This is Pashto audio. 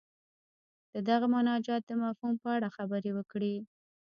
د دغه مناجات د مفهوم په اړه خبرې وکړي.